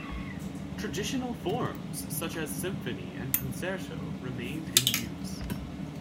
Traditional forms such as the symphony and concerto remained in use.